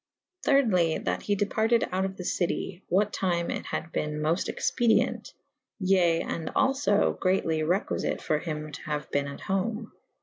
Thyrdly that he departed out of the city / what time it had bene mofte expedi ent / ye and alfo [D vii a] greatly requifite for hym to haue bene at home.